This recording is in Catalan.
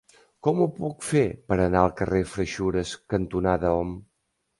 Com ho puc fer per anar al carrer Freixures cantonada Om?